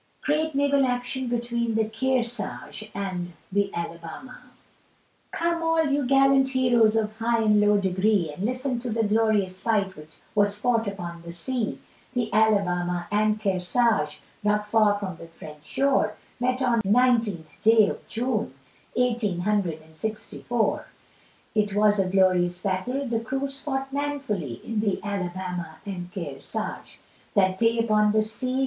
GREAT NAVAL ACTION BETWEEN THE KEARSAGE & THE ALABAMA. Come all you gallant hero's Of high and low degree, And listen to the glorious fight Was fought upon the sea; The Alabama and Kearsage Not far from the French shore, Met on the 19th day of June, Eighteen hundred and sixty four. It was a glorious battle, The crews fought manfully In the Alabama and Kearsage, That day upon the sea.